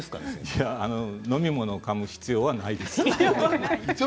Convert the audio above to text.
いや、飲み物をかむ必要はないです。